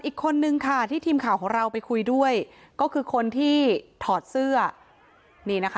อีกคนนึงค่ะที่ทีมข่าวของเราไปคุยด้วยก็คือคนที่ถอดเสื้อนี่นะคะ